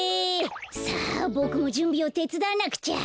さあぼくもじゅんびをてつだわなくちゃ！